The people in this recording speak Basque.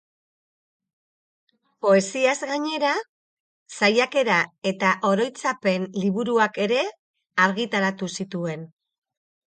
Poesiaz gainera, saiakera eta oroitzapen liburuak ere argitaratu zituen.